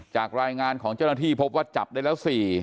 จากรายงานของเจ้าหน้าที่พบว่าจับได้แล้ว๔